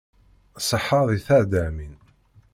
Ṣṣeḥa di teɛḍamin.